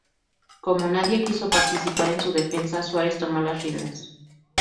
Como nadie quiso participar en su defensa, Suárez tomó las riendas.